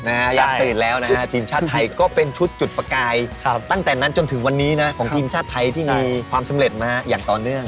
อยากตื่นแล้วนะฮะทีมชาติไทยก็เป็นชุดจุดประกายตั้งแต่นั้นจนถึงวันนี้นะของทีมชาติไทยที่มีความสำเร็จนะฮะอย่างต่อเนื่อง